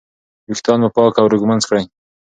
ویښتان مو پاک او ږمنځ کړئ.